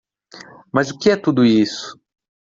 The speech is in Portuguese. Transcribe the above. Mas o que é tudo isso?